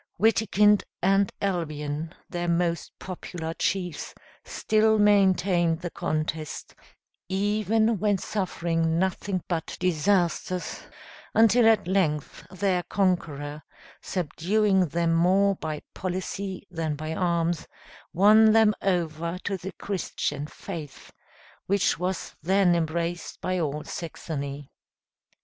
Witikind and Albion, their most popular chiefs, still maintained the contest, even when suffering nothing but disasters, until at length, their conqueror, subduing them more by policy than by arms, won them over to the Christian faith, which was then embraced by all Saxony.